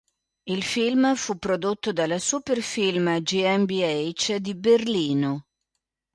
Il film fu prodotto dalla Super-Film GmbH di Berlino.